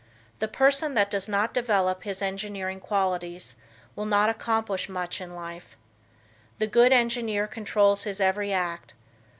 The person that does not develop his engineering qualities will not accomplish much in life. The good engineer controls his every act.